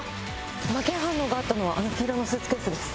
麻犬反応があったのはあの黄色のスーツケースです。